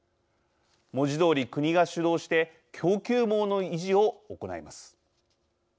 文字どおり国が主導して供給網の維持を行います。